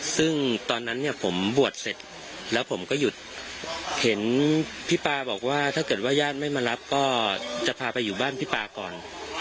ซึ่งตอนนั้นเนี่ยผมบวชเสร็จแล้วผมก็หยุดเห็นพี่ปาบอกว่าถ้าเกิดว่าญาติไม่มารับก็จะพาไปอยู่บ้านพี่ปลาก่อน